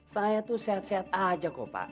saya tuh sehat sehat aja kok pak